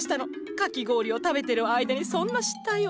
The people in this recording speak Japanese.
かき氷を食べてる間にそんな失態を。